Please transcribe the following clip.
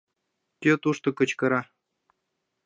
— Кӧ тушто кычкыра?